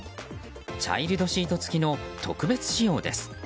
チャイルドシート付きの特別仕様です。